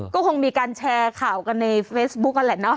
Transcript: ก็คงมีการแชร์ข่าวกันในเฟซบุ๊คนั่นแหละเนาะ